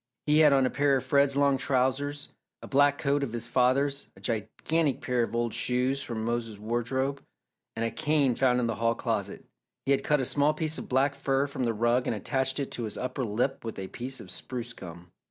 He had on a pair of Fred's long trousers, a black coat of his father's, a gigantic pair of old shoes from Mose's wardrobe, and a cane found in the hall closet. He had cut a small piece of black fur from the rug and attached it to his upper lip with a piece of spruce gum.